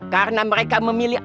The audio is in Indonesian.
karena mereka memilih